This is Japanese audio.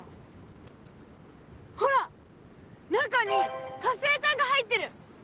ほら中に活性炭が入ってる！